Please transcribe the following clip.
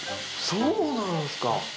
そうなんすか。